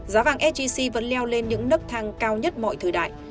giá vàng sgc vẫn leo lên những nức thăng cao nhất mọi thời đại